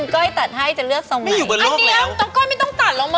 ก้าวเบื้องก้าว